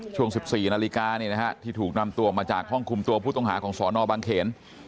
ช่วง๑๔นาฬิกาที่ถูกนำตัวออกมาจากห้องคุมตัวผู้ต้องหาของสอนอบางเขน